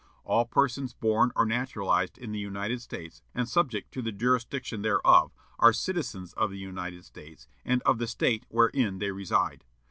All persons born or naturalized in the United States, and subject to the jurisdiction thereof, are citizens of the United States and of the State wherein they reside.